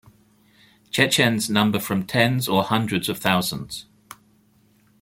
Chechens number from tens or hundreds of thousands.